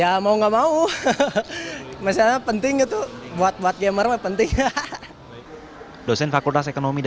ya mau gak mau misalnya penting gitu buat gamer mah penting